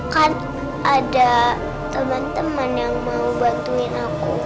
kan ada teman teman yang mau bantuin aku